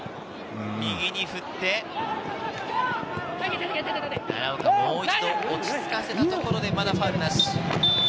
右に振って、奈良岡、もう一度落ち着かせたところでファウルなし。